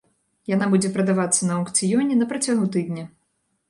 Яна будзе прадавацца на аўкцыёне на працягу тыдня.